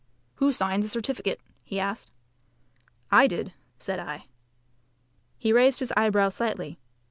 "Who signed the certificate?" he asked. "I did," said I. He raised his eyebrows slightly.